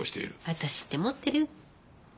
私って持ってる！